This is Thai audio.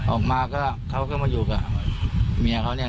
ออกมาก็เขาก็มาอยู่กับเมียเขาเนี่ย